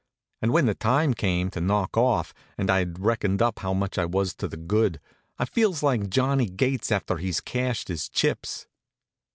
And when the time came to knock off, and I'd reckoned up how much I was to the good, I feels like Johnny Gates after he's cashed his chips.